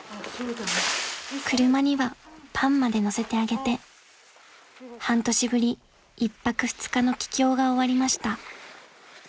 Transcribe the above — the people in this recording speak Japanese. ［車にはパンまでのせてあげて半年ぶり１泊２日の帰郷が終わりました］